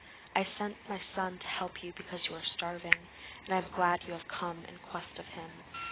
I sent my son to help you because you were starving, and I am glad you have come in quest of him.'